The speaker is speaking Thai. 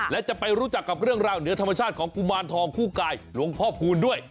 และจะไปรู้จักกับเรื่องราวเหนือธรรมชาติของกุมารทองคู่กายหลวงพ่อคูณด้วย